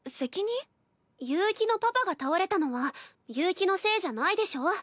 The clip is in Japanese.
悠希のパパが倒れたのは悠希のせいじゃないでしょ。